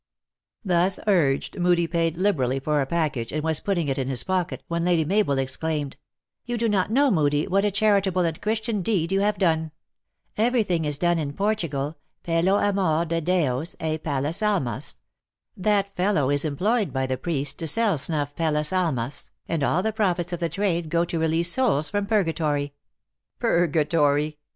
Thus urged, Moodie paid liberally for a package, and was putting it in his pocket, when Lady Mabel ex claimed, "You do not know, Moodie, what a chari table and Christian deed you have done. Everything is done in Portugal pelo amor de Deos e pelas alma*. That fellow is employed by the priests to sell snuff* pelas almas, and all the profits of the trade go to re lease souls from purgatory." " Purgatory